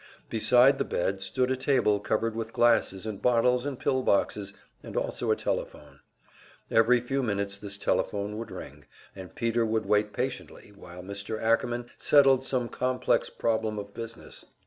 Beside the bed stood a table covered with glasses and bottles and pill boxes, and also a telephone. Every few minutes this telephone would ring, and Peter would wait patiently while Mr. Ackerman settled some complex problem of business.